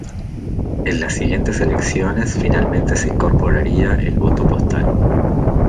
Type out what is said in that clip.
En las siguientes elecciones, finalmente se incorporaría el voto postal.